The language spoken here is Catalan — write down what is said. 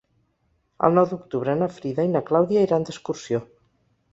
El nou d'octubre na Frida i na Clàudia iran d'excursió.